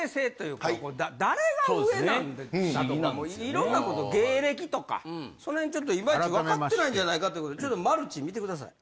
色んなこと芸歴とかその辺ちょっといまいち分かってないんじゃないかということでちょっとマルチ見てください。